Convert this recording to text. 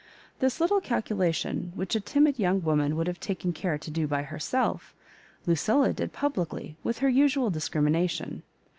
This little calculation, which a timid young wo man would have taken care to do by herself, Lucil la did publicly, with her usual discrimination.